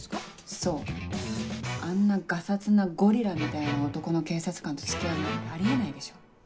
そうあんなガサツなゴリラみたいな男の警察官と付き合うなんてあり得ないでしょ。